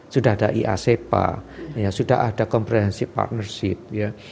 sudah ada iacpa sudah ada comprehensive partnership ya